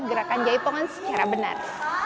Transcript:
gerakan jaipongan secara benar